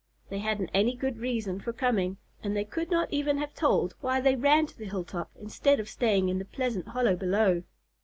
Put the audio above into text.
They hadn't any good reason for coming, and they could not even have told why they ran to the hilltop instead of staying in the pleasant hollow below.